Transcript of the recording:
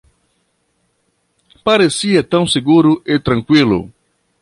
Parecia tão seguro e tranquilo.